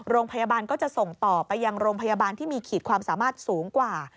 โรงพยาบาลก็จะส่งต่อไปยังโรงพยาบาลที่มีขีดความสามารถสูงกว่า